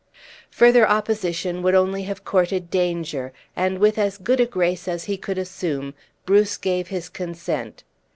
Further opposition would only have courted danger, and with as good a grace as he could assume, Bruce gave his consent.